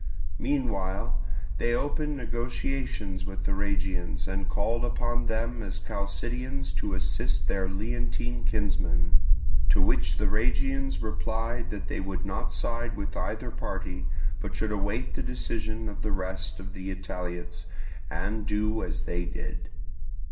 Meanwhile they opened negotiations with the Rhegians, and called upon them as Chalcidians to assist their Leontine kinsmen; to which the Rhegians replied that they would not side with either party, but should await the decision of the rest of the Italiots, and do as they did.